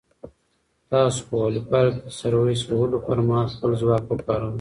تاسو په واليبال کې د سرویس وهلو پر مهال خپل ځواک وکاروئ.